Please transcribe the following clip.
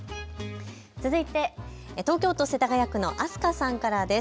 続いて東京都世田谷区のあすかさんからです。